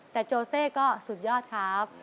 แต่โจเซก็สุดยอดครับ